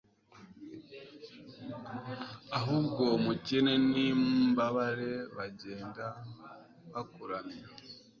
ahubwo umukene n'imbabare bagende bakuramya